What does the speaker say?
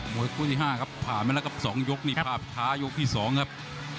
โมยกู้ที่ห้าครับผ่ามาแล้วกับสองยกนี่ผ่าผิดขายกที่สองครับ